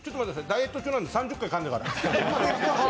ダイエット中なんで３０回かんでから。